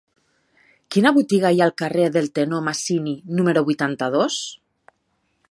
Quina botiga hi ha al carrer del Tenor Masini número vuitanta-dos?